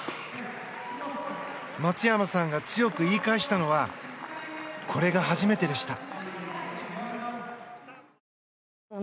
松山さんが強く言い返したのはこれが初めてでした。